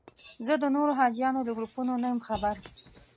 زه د نورو حاجیانو له ګروپونو نه یم خبر.